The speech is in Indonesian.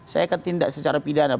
saya akan tindak secara pidana